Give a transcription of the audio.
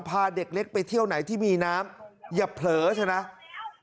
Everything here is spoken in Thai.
พาเด็กเล็กไปเที่ยวไหนที่มีน้ำอย่าเผลอใช่ไหม